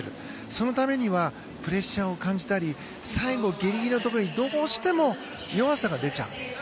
そのためにはプレッシャーを感じたり最後、ギリギリのところでどうしても弱さが出ちゃう。